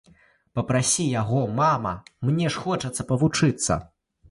Папрасі яго, мама, мне ж хочацца павучыцца.